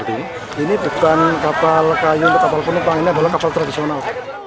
ini bukan kapal kayu untuk kapal penumpang ini adalah kapal tradisional